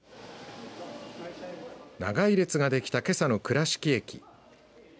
長い列ができた、けさの倉敷駅。